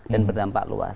dan berdampak luas